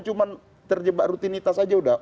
cuma terjebak rutinitas aja udah